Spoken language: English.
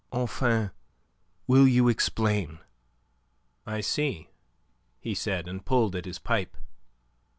Enfin, will you explain?" "I see," he said, and pulled at his pipe.